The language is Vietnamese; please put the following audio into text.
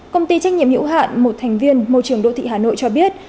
công ty trách nhiệm hữu hạn một thành viên môi trường đô thị hà nội cho biết